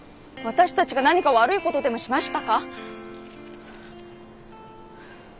私たちが何か悪いことでもしましたか？